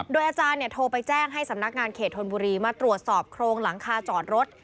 โดยอาจารย์โทรไปแจ้งให้สำนักงานเขตธนบุรีมาตรวจสอบโครงหลังคาจอดรถ